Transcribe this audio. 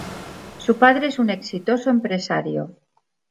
Su padre es un exitoso empresario.